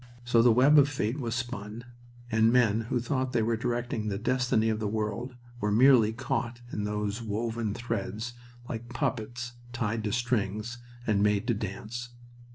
So the web of fate was spun, and men who thought they were directing the destiny of the world were merely caught in those woven threads like puppets tied to strings and made to dance.